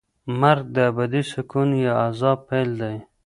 مرګ د ابدي سکون یا عذاب پیل دی.